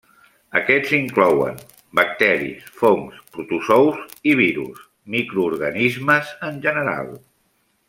Aquests inclouen: bacteris, fongs, protozous i virus; microorganismes en general.